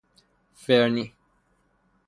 فرنی